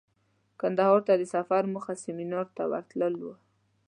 کندهار ته د سفر موخه سمینار ته ورتلو وه.